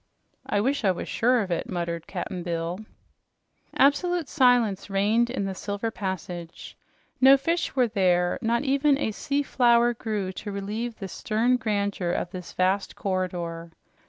"I wish I was sure of it," muttered Cap'n Bill. Absolute silence reigned in the silver passage. No fish were there; not even a sea flower grew to relieve the stern grandeur of this vast corridor.